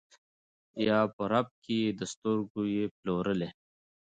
یا په رپ کي یې د سترګو یې پلورلی